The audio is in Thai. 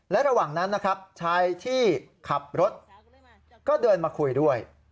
และระหว่างนั้นนะครับชายที่ขับรถก็เดินมาคุยด้วย